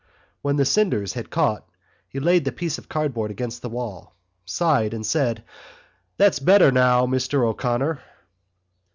When the cinders had caught he laid the piece of cardboard against the wall, sighed and said: "That's better now, Mr O'Connor."